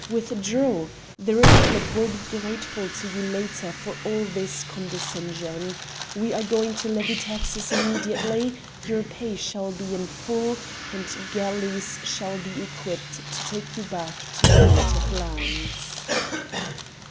Withdraw! The Republic will be grateful to you later for all this condescension. We are going to levy taxes immediately; your pay shall be in full, and galleys shall be equipped to take you back to your native lands."